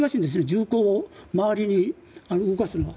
銃口を周りに動かすのは。